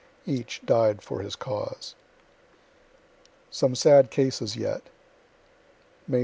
Each died for his cause. SOME SAD CASES YET May 31.